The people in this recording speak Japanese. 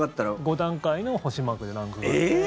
５段階の星マークでランクがあって。